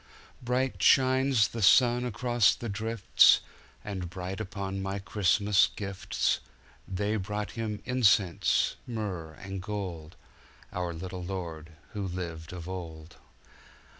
Bright shines the sun across the drifts, And bright upon my Christmas gifts. They brought Him incense, myrrh, and gold, Our little Lord who lived of old.